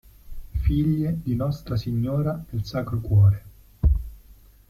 Figlie di Nostra Signora del Sacro Cuore